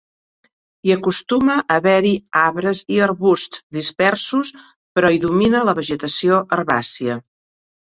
Hi acostuma a haver-hi arbres i arbusts dispersos, però hi domina la vegetació herbàcia.